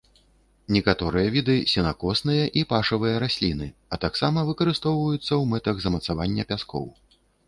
Некаторыя віды сенакосныя і пашавыя расліны, а таксама выкарыстоўваюцца ў мэтах замацавання пяскоў.